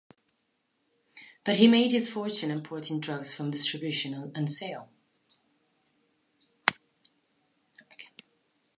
But he made his fortune importing drugs for distribution and sale.